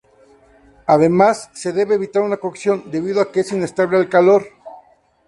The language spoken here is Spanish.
Además, se debe evitar su cocción debido a que es inestable al calor.